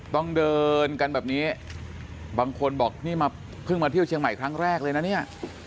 ต้องเดินกันแบบนี้บางคนบอกนี่มาเพิ่งมาเที่ยวเชียงใหม่ครั้งแรกเลยนะเนี่ย